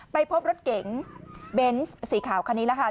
ไปพบรถเก๋งเบนส์สีขาวคันนี้แหละค่ะ